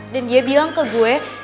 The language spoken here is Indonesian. dan dia bilang ke gue